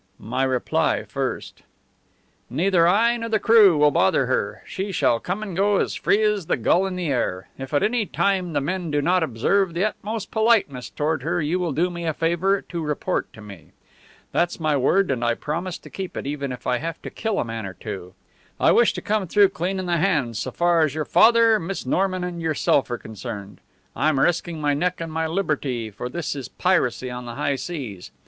"My reply first." "Neither I nor the crew will bother her. She shall come and go free as the gull in the air. If at any time the men do not observe the utmost politeness toward her you will do me a favour to report to me. That's my word, and I promise to keep it, even if I have to kill a man or two. I wish to come through clean in the hands so far as your father, Miss Norman, and yourself are concerned. I'm risking my neck and my liberty, for this is piracy on the high seas.